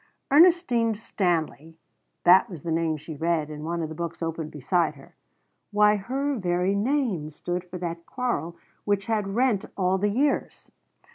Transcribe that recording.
_" Ernestine Stanley that was the name she read in one of her books open beside her. Why her very name stood for that quarrel which had rent all the years!